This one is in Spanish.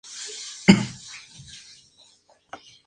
Ha sido en dos ocasiones del país.